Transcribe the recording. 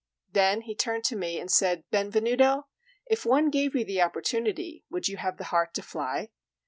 Then he turned to me and said, "Benvenuto, if one gave you the opportunity, should you have the heart to fly?"